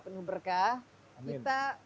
penuh berkah amin